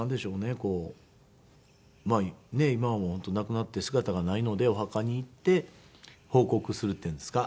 こうまあねっ今はもう本当亡くなって姿がないのでお墓に行って報告するっていうんですか。